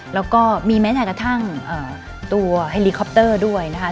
แล้วก็มีแม้แต่กระทั่งตัวเฮลิคอปเตอร์ด้วยนะคะ